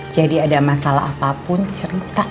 jadi ada masalah apapun cerita